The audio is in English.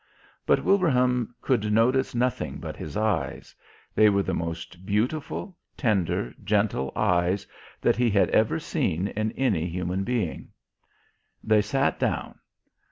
But Wilbraham could notice nothing but His Eyes; they were the most beautiful, tender, gentle Eyes that he had ever seen in any human being. They sat down.